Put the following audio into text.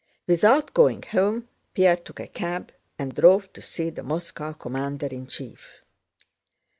Without going home, Pierre took a cab and drove to see the Moscow commander in chief.